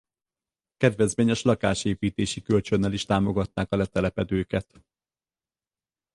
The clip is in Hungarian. Kedvezményes lakásépítési kölcsönnel is támogatták a letelepedőket.